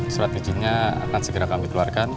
surat izinnya akan segera kami keluarkan